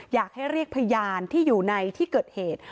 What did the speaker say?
อยากให้เรียกพยานที่อยู่ในที่เกิดเหตุ